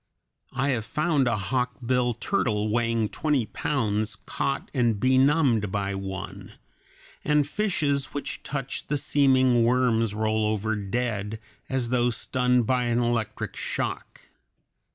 I have found a hawkbill turtle weighing twenty pounds caught and benumbed by one; and fishes which touch the seeming worms roll over dead, as though stunned by an electric shock.